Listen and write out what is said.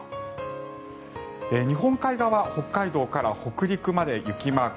日本海側、北海道から北陸まで雪マーク。